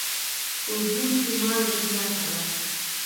په بوړ کي مالګه زیاته ده.